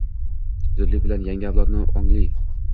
zudlik bilan yangi avlodni — ongli, '